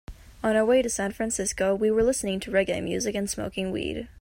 On our way to San Francisco, we were listening to reggae music and smoking weed.